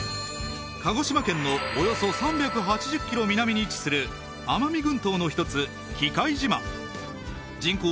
鹿児島県のおよそ３８０キロ南に位置する奄美群島の一つ喜界島人口